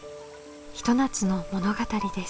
ひと夏の物語です。